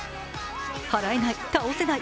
はらえない・倒せない・